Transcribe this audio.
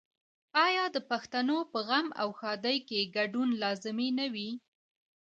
آیا د پښتنو په غم او ښادۍ کې ګډون لازمي نه وي؟